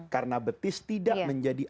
karena betis tidak menjadi